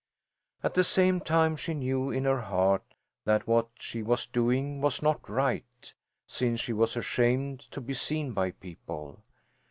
At the same time she knew in her heart that what she was doing was not right, since she was ashamed to be seen by people.